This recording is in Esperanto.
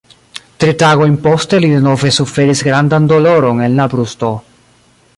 Tri tagojn poste li denove suferis grandan doloron en la brusto.